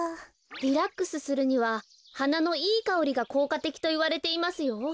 リラックスするにははなのいいかおりがこうかてきといわれていますよ。